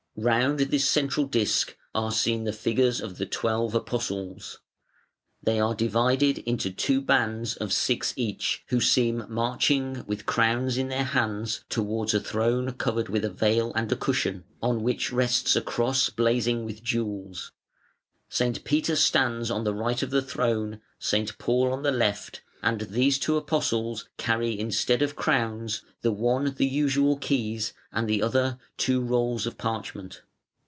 Round this central disk are seen the figures of the twelve Apostles. They are divided into two bands of six each, who seem marching, with crowns in their hands, towards a throne covered with a veil and a cushion, on which rests a cross blazing with jewels. St. Peter stands on the right of the throne, St. Paul on the left; and these two Apostles carry instead of crowns, the one the usual keys, and the other two rolls of parchment.